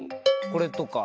これとか。